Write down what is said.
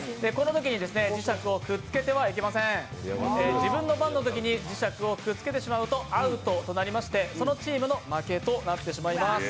自分の番のときに侍石をくっつけてしまうと、アウトとなり、そのチームの負けとなってしまいます。